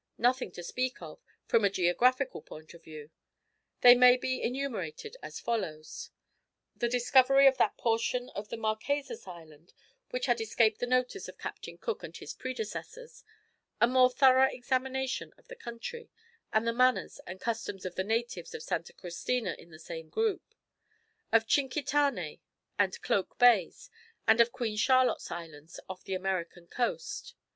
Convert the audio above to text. Nothing to speak of, from a geographical point of view. They may be enumerated as follows: The discovery of that portion of the Marquesas Islands which had escaped the notice of Captain Cook and his predecessors, a more thorough examination of the country, and the manners and customs of the natives of Santa Christina in the same group, of Tchinkitané and Cloak Bays, and of Queen Charlotte's Islands off the American coast.